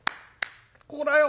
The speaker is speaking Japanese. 「ここだよ